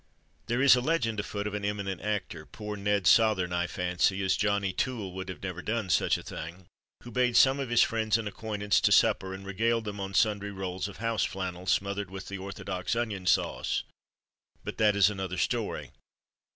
There is a legend afloat of an eminent actor poor "Ned" Sothern, I fancy, as "Johnny" Toole would never have done such a thing who bade some of his friends and acquaintance to supper, and regaled them on sundry rolls of house flannel, smothered with the orthodox onion sauce. But that is another story.